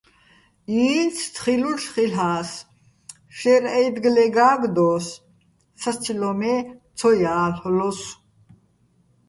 ინც თხილუშ ხილ'ას, შაჲრი̆ აჲდგლე გა́გდოს, სასცილო́ მე ცო ჲა́ლ'ლოსო̆.